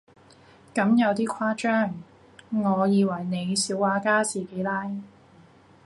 咁有啲誇張，我以為你小畫家自己拉